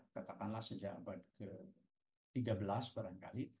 katakanlah sejak abad ke tiga belas barangkali